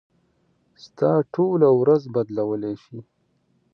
ستا ټوله ورځ بدلولی شي.